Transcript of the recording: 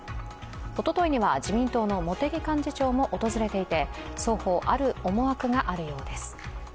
おとといには自民党の茂木幹事長も訪れていて双方、ある思惑があるようです。